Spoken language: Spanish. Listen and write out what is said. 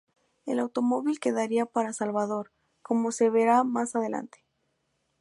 El automóvil quedaría para Salvador, como se verá más adelante.